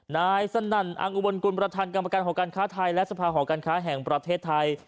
นายสนั่นอังอุบลกุลประธานกรรมการหอการค้าไทยและสภาหอการค้าแห่งประเทศไทย